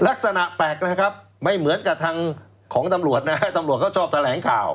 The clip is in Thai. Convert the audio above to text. ลักษณะแปลกนะครับไม่เหมือนกับทางของตำรวจนะฮะตำรวจเขาชอบแถลงข่าว